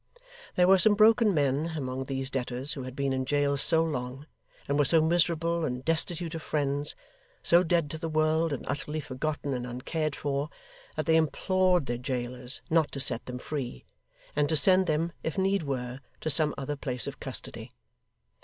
There were some broken men among these debtors who had been in jail so long, and were so miserable and destitute of friends, so dead to the world, and utterly forgotten and uncared for, that they implored their jailers not to set them free, and to send them, if need were, to some other place of custody.